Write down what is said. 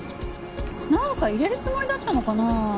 なんか入れるつもりだったのかな？